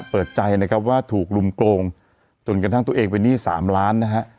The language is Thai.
เปิดใจนะครับว่าถูกลุมโกงจนกระทั่งตัวเองเป็นหนี้๓ล้านนะฮะ